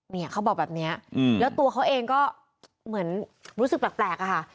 เนี่ยเขาบอกแบบนี้แล้วตัวเขาเองก็เหมือนรู้สึกแปลกอะค่ะ